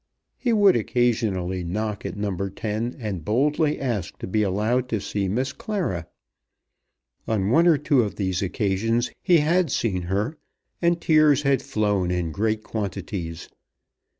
He would occasionally knock at No. 10, and boldly ask to be allowed to see Miss Clara. On one or two of these occasions he had seen her, and tears had flown in great quantities.